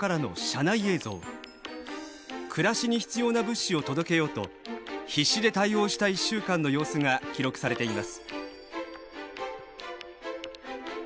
暮らしに必要な物資を届けようと必死で対応した１週間の様子が記録されています。